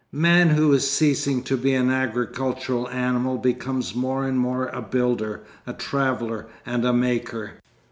Man who is ceasing to be an agricultural animal becomes more and more a builder, a traveller, and a maker.